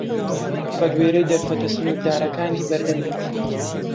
بە گوێرەی دەرفەتە سنووردارەکانی بەردەمیەوە